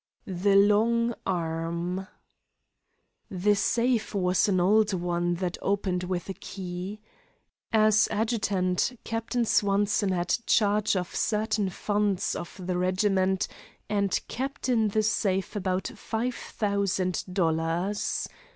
THE LONG ARM The safe was an old one that opened with a key. As adjutant, Captain Swanson had charge of certain funds of the regiment and kept in the safe about five thousand dollars.